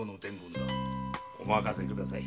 おまかせください。